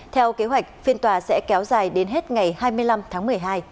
theo kế hoạch phiên tòa sẽ kéo dài đến hết ngày hai mươi năm tháng một mươi hai